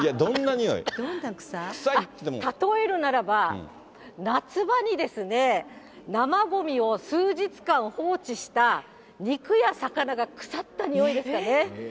例えるならば、夏場にですね、生ごみを数日間放置した肉や魚が腐った臭いですかね。